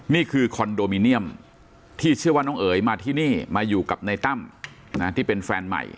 นี่คือคอนโดมิเนียมที่เชื่อว่าน้องเอ๋ยมาที่นี่มาอยู่กับในตั้มที่เป็นแฟนใหม่